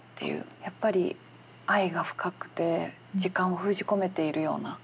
やっぱり愛が深くて時間を封じ込めているような感じがして。